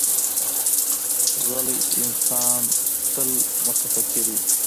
غلی انسان، تل متفکر وي.